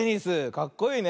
かっこいいね。